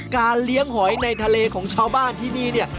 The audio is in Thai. การเลี้ยงหอยในทะเลของชาวบ้านที่นี่เนี่ย